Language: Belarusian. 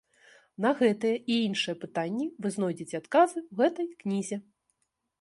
На гэтыя і іншыя пытанні вы знойдзеце адказы ў гэтай кнізе.